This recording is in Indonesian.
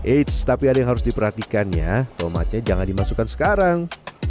eits tapi ada yang harus diperhatikan ya tomatnya jangan dimasukkan sekarang